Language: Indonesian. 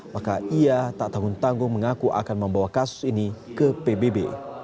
maka ia tak tanggung tanggung mengaku akan membawa kasus ini ke pbb